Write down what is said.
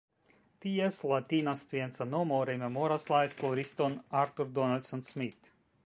Ties latina scienca nomo rememoras la esploriston Arthur Donaldson-Smith.